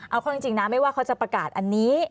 เอาเข้าจริงนะไม่ว่าเขาจะประกาศอันนี้